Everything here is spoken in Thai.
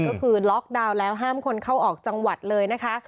ก็คือล็อกดาวน์แล้วห้ามคนเข้าออกจังหวัดเลยนะคะ